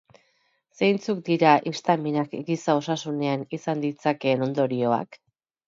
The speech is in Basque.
Zeintzuk dira histaminak giza osasunean izan ditzakeen ondorioak?